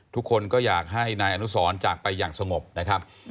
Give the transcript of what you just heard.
ทุกคนก็อยากให้นายอนุสรจากไปอย่างสงบนะครับ